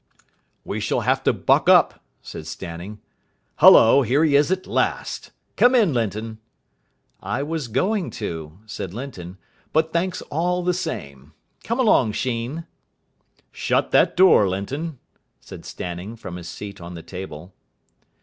"We shall have to buck up," said Stanning. "Hullo, here he is at last. Come in, Linton." "I was going to," said Linton, "but thanks all the same. Come along, Sheen." "Shut that door, Linton," said Stanning from his seat on the table.